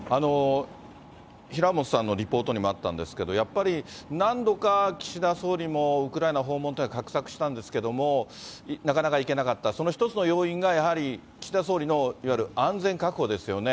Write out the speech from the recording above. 平本さんのリポートにもあったんですけど、やっぱり何度か岸田総理もウクライナ訪問というのを画策したんですけれども、なかなか行けなかった、その一つの要因がやはり岸田総理のいわゆる安全確保ですよね。